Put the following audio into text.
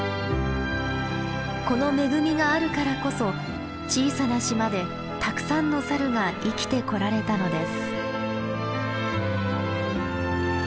この恵みがあるからこそ小さな島でたくさんのサルが生きてこられたのです。